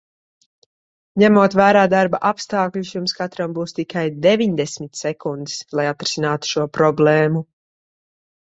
Ņemot vērā darba apstākļus, jums katram būs tikai deviņdesmit sekundes, lai atrisinātu šo problēmu.